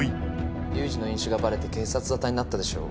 龍二の飲酒がバレて警察沙汰になったでしょ？